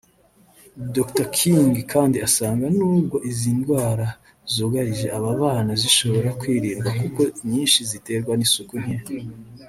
Dr King kandi asanga nubwo izi ndwara zugarije aba bana zishobora kwirindwa kuko inyishi ziterwa n’isuku nke